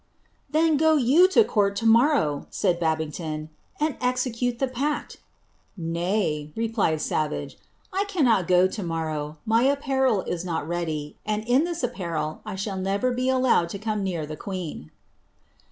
'■ Then, go you to court, to morrow," mid Babington, " and eiecuM the pact." ,'■ Nay," replied Ssvage, " 1 cannot go to morrow, my apparel id noi ready, and iu this apparel I shall never be allowed to come near iImI queen."